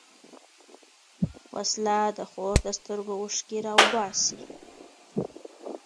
وسله د خور د سترګو اوښکې راوباسي